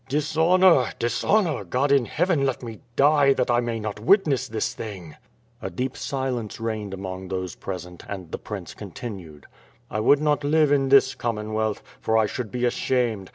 "Dishonor, dishonor, God in Heaven, let me die, that I may not witness this thing." A deep silence reigned among those present and the Prince continued: "I would not live in this Commonwealth, for I should be ashamed.